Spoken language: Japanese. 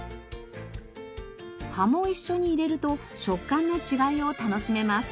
葉も一緒に入れると食感の違いを楽しめます。